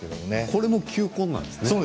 これも球根なんですね。